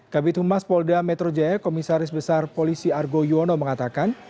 kabit humas polda metro jaya komisaris besar polisi argo yuwono mengatakan